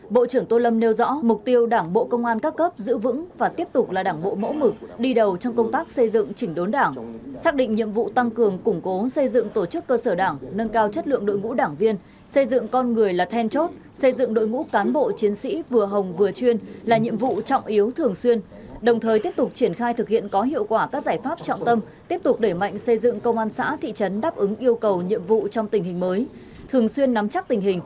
bộ trưởng tô lâm nêu rõ mục tiêu đảng bộ công an các cấp giữ vững và tiếp tục là đảng bộ mẫu mực đi đầu trong công tác xây dựng chỉnh đốn đảng xác định nhiệm vụ tăng cường củng cố xây dựng tổ chức cơ sở đảng nâng cao chất lượng đội ngũ đảng viên xây dựng con người là then chốt xây dựng đội ngũ cán bộ chiến sĩ vừa hồng vừa chuyên là nhiệm vụ trọng yếu thường xuyên đồng thời tiếp tục triển khai thực hiện có hiệu quả các giải pháp trọng tâm tiếp tục đẩy mạnh xây dựng công an xã thị